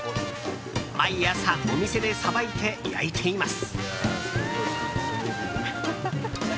毎朝、お店でさばいて焼いています。